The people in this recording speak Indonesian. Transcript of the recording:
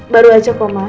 baru aja mama